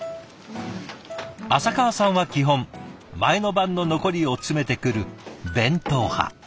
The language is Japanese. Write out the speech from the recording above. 浅川さんは基本前の晩の残りを詰めてくる弁当派。